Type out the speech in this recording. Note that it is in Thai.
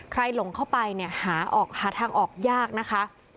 ใครหลงเข้าไปหาทางออกยากนะคะ